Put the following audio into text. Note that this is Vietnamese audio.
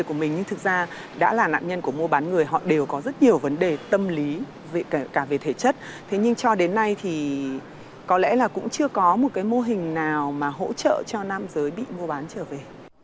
chưa có một mô hình nào hỗ trợ cho nam giới bị mua bán trở về